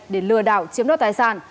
để lừa đảo chiếm đoạt tài sản